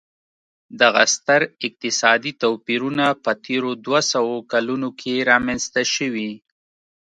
دغه ستر اقتصادي توپیرونه په تېرو دوه سوو کلونو کې رامنځته شوي.